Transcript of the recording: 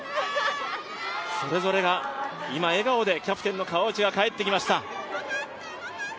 それぞれが今、笑顔でキャプテンが帰ってきました。